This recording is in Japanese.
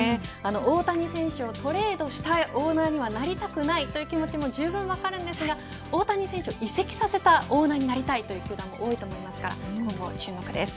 大谷選手をトレードしたいオーナーにはなりたくないという気持ちもじゅうぶん分かるんですが大谷選手を移籍させたオーナーになりたいという球団も多いと思いますから注目です。